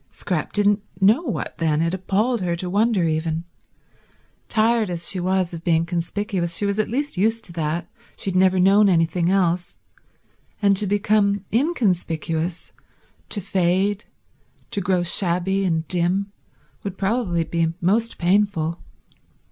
Scrap didn't know what then, it appalled her to wonder even. Tired as she was of being conspicuous she was at least used to that, she had never known anything else; and to become inconspicuous, to fade, to grow shabby and dim, would probably be most painful.